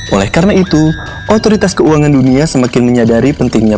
oleh karena itu otoritas keuangan dunia semakin menyadari pentingnya